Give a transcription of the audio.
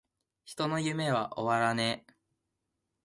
人の夢は!!!終わらねェ!!!!